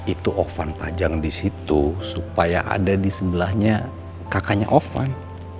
itu ovan pajang di situ supaya ada di sebelahnya kakaknya offan